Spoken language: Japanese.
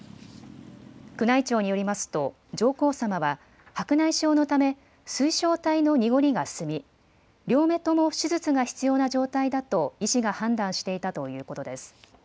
宮内庁によりますと、上皇さまは白内障のため、水晶体の濁りが進み、両目とも手術が必要な状態だと医師が判断していたということです。